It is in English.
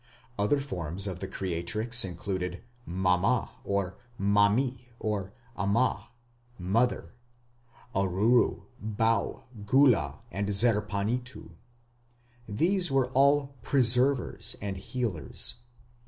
Other forms of the Creatrix included Mama, or Mami, or Ama, "mother", Aruru, Bau, Gula, and Zerpanituᵐ. These were all "Preservers" and healers.